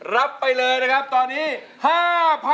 รับไปเลยนะครับตอนนี้๕๐๐๐